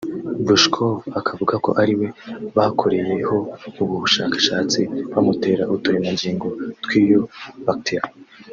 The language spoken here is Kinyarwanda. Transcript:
Brouchkov akavuga ko ariwe bakoreyeho ubu bushakashatsi bamutera uturemangingo tw’iyo bacterie